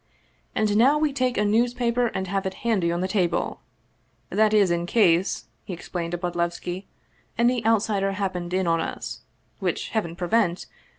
" And now we take a newspaper and have it handy on the table ! That is in case," he explained to Bodlevski, " any outsider happened in on us which Heaven prevent !